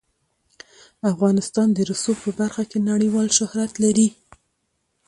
افغانستان د رسوب په برخه کې نړیوال شهرت لري.